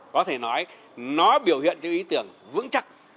có thể nói nó biểu hiện cho ý tưởng vững chắc